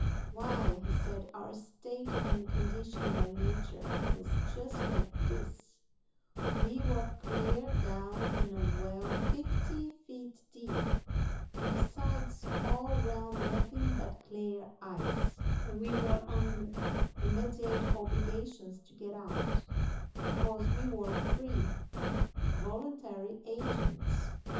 Why, he said our state and condition by natur war just like this: We war clear down in a well fifty feet deep, and the sides all round nothin' but glare ice; but we war under immediate obligations to get out, 'cause we war free, voluntary agents.